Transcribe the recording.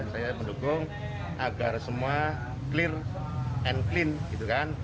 saya mendukung agar semua clear and clean